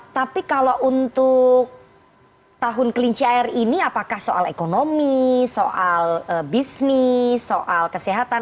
tapi kalau untuk tahun kelinci air ini apakah soal ekonomi soal bisnis soal kesehatan